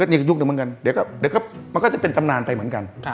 นี่ก็ยุคนึงเหมือนกันเดี๋ยวมันก็จะเป็นตำนานไปเหมือนกัน